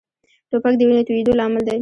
توپک د وینې تویېدو لامل دی.